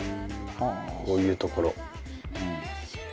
こういうところ。